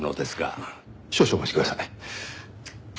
少々お待ちください。